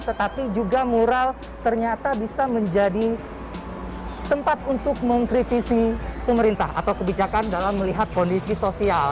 tetapi juga mural ternyata bisa menjadi tempat untuk mengkritisi pemerintah atau kebijakan dalam melihat kondisi sosial